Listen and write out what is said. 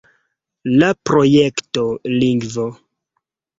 La projekto lingvo.